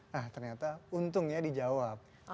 nah ternyata untungnya dijawab